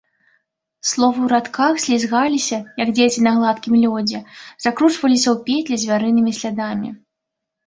Словы ў радках слізгаліся, як дзеці на гладкім лёдзе, закручваліся ў петлі звярынымі слядамі.